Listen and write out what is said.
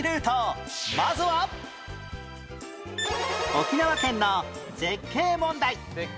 沖縄県の絶景問題